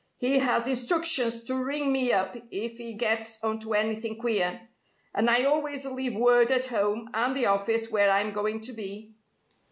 He has instructions to ring me up if he gets onto anything queer. And I always leave word at home and the office where I'm going to be."